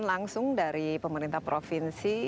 langsung dari pemerintah provinsi